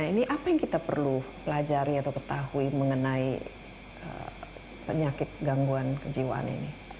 ini apa yang kita perlu pelajari atau ketahui mengenai penyakit gangguan kejiwaan ini